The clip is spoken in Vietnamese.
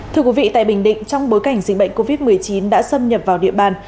thưa quý vị tại bình định trong bối cảnh dịch bệnh covid một mươi chín đã xâm nhập vào địa bàn